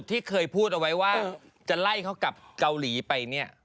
ที่เคยพูดเอาไว้ว่าจะไล่เขากลับเกาหลีไปเนี่ย